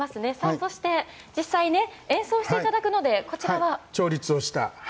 そして実際、演奏していただくのでこちらは？